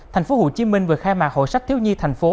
tp hcm vừa khai mạc hội sách thiếu nhi thành phố